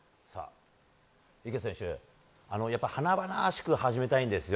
池選手、華々しく始めたいんですよ。